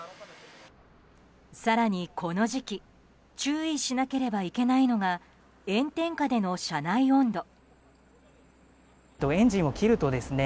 更にこの時期注意しなければいけないのが炎天下での車内温度。